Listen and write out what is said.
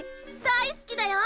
大好きだよ！